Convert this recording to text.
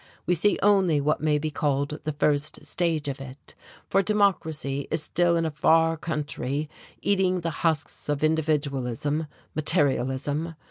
We see only what may be called the first stage of it; for democracy is still in a far country eating the husks of individualism, materialism.